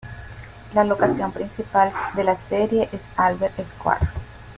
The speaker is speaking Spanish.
La locación principal de la serie es Albert Square.